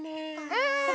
うん！